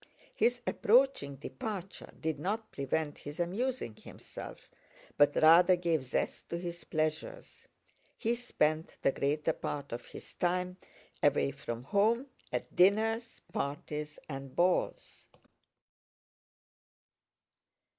His approaching departure did not prevent his amusing himself, but rather gave zest to his pleasures. He spent the greater part of his time away from home, at dinners, parties, and balls.